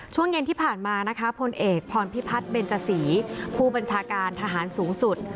ช่วงเย็นที่ผ่านมานะคะพลเอกพรพิพัฒน์เบนจสีผู้บัญชาการทหารสูงสุด